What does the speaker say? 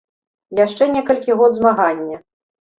Яшчэ некалькі год змагання.